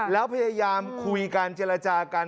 แล้วพยายามคุยกันเจรจากัน